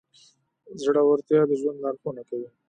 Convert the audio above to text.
زړهورتیا د ژوند لارښوونه کوي.